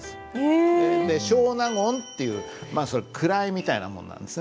で「少納言」っていう位みたいなもんなんですね。